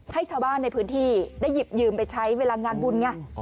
ให้ชาวบ้านในพื้นที่ได้หยิบยืมไปใช้เวลางานบุญไง